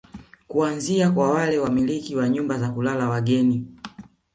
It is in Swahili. Kuanzia kwa wale wamiliki wa nyumba za kulala wageni